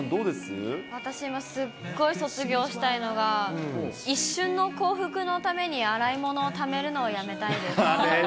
私今、すっごい卒業したいのが、一瞬の幸福のために洗い物をためるのをやめたいです。